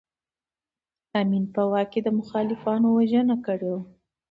امین په واک کې د مخالفانو وژنه کړې وه.